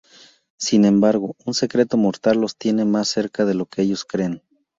Sin embargo, un secreto mortal los tiene más cerca de lo que ellos creen.